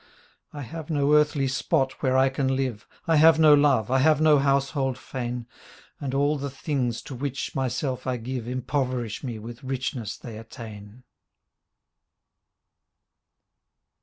I have no earthly spot where I can live, I have no love, I have no household fane. And all the things to which myself I give Impoverish me with richness they attain.